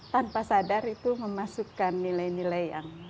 tanpa sadar itu memasukkan nilai nilai yang